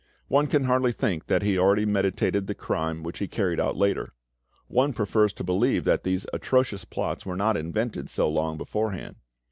One can hardly think that he already meditated the crime which he carried out later; one prefers to believe that these atrocious plots were not invented so long beforehand.